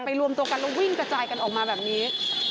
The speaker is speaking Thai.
รวมตัวกันแล้ววิ่งกระจายกันออกมาแบบนี้